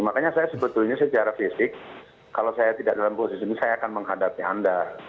makanya saya sebetulnya secara fisik kalau saya tidak dalam posisi ini saya akan menghadapi anda